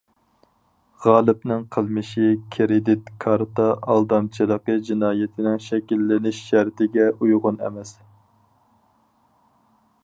غالىپنىڭ قىلمىشى كىرېدىت كارتا ئالدامچىلىقى جىنايىتىنىڭ شەكىللىنىش شەرتىگە ئۇيغۇن ئەمەس.